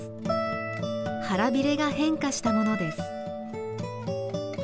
腹びれが変化したものです。